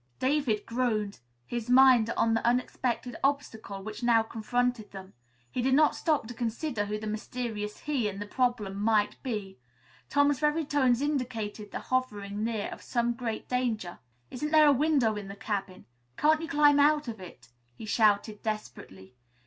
David groaned. His mind on this unexpected obstacle, which now confronted them, he did not stop to consider who the mysterious "he" in the problem might be. Tom's very tones indicated the hovering near of some great danger. "Isn't there a window in the cabin? Can't you climb out of it?" he shouted desperately.